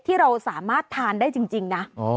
ที่เราสามารถทานได้จริงนะ